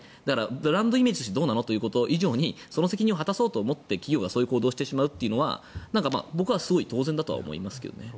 ブランドイメージとしてどうなのということ以上にその責任を果たそうとして企業がそういう行動をすることは僕はすごい当然だと思いますけどね。